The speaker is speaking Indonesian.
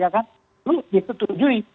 lalu dia setuju